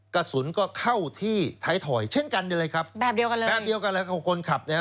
กระสุนก็เข้าที่ไทยทอยเช่นกันเลยครับ